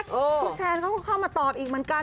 แฟนเขาก็เข้ามาตอบอีกเหมือนกัน